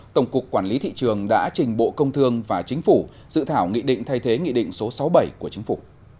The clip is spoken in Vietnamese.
tổng cục quản lý thị trường đã trình bộ công thương và chính phủ dự thảo nghị định thay thế nghị định số sáu mươi bảy của chính phủ